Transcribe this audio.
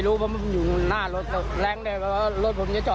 ก็ขยับมานู้นเลยกระหนาผมดึงเบรษมือไว้